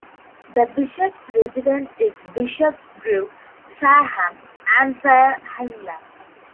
The bishop's residence is Bishopsgrove, Fareham, Hampshire, England.